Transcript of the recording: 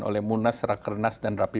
oleh munas raker nas dan rapi